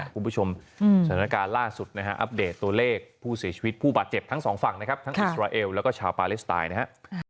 คุณผู้ชมสถานการณ์ล่าสุดนะฮะอัปเดตตัวเลขผู้เสียชีวิตผู้บาดเจ็บทั้งสองฝั่งนะครับทั้งอิสราเอลแล้วก็ชาวปาเลสไตน์นะฮะ